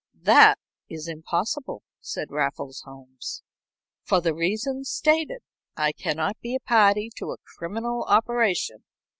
"That is impossible," said Raffles Holmes. "For the reasons stated, I cannot be party to a criminal operation."